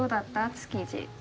築地。